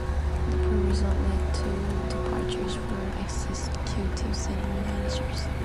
The poor results led to departures for executives and managers.